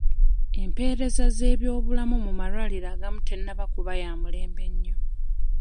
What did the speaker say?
Empeereza z'ebyobulamu mu malwaliro agamu tennaba kuba ya mulembe nnyo.